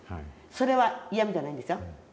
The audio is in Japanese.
それは嫌みじゃないんですよ。